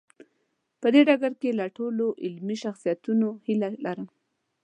په دې ډګر کې له ټولو علمي شخصیتونو هیله لرم.